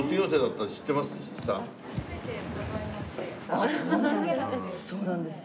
あっそうなんです。